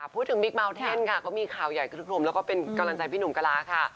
บิ๊กเมาเทนค่ะก็มีข่าวใหญ่ขึ้นพรมแล้วก็เป็นกำลังใจพี่หนุ่มกะลาค่ะ